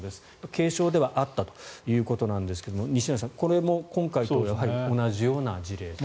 軽傷ではあったということですが西成さん、これも今回と同じような事例と。